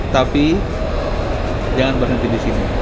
tapi jangan berhenti disini